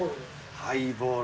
ハイボール。